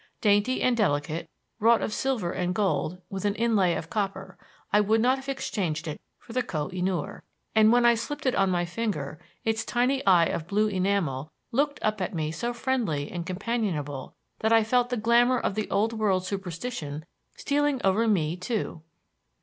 Dainty and delicate, wrought of silver and gold, with an inlay of copper, I would not have exchanged it for the Koh i noor; and when I had slipped it on my finger its tiny eye of blue enamel looked up at me so friendly and companionable that I felt the glamour of the old world superstition stealing over me too.